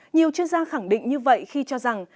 nhiều chuyên gia khẳng định như vậy khi cho rằng